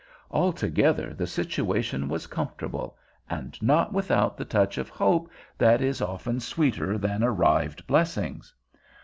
Altogether, the situation was comfortable, and not without the touch of hope that is often sweeter than arrived blessings.